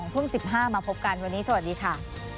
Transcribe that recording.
ทุ่ม๑๕มาพบกันวันนี้สวัสดีค่ะ